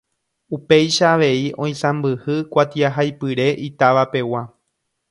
Upéicha avei oisãmbyhy kuatiahaipyre itavapegua.